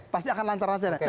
pasti akan lancar lancar